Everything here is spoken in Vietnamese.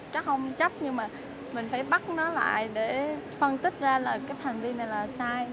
chắc không trách nhưng mà mình phải bắt nó lại để phân tích ra là cái hành vi này là sai